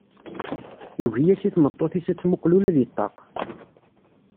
Yugi-yas i tmeṭṭut-is ad tmuqel ula deg ṭṭaq.